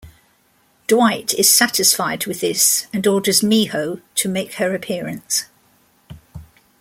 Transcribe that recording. Dwight is satisfied with this and orders Miho to make her appearance.